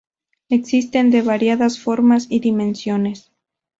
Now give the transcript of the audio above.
Existen de variadas formas y dimensiones.